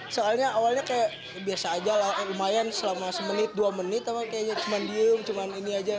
soalnya awalnya kayak biasa aja lah lumayan selama satu menit dua menit cuma diem cuma ini aja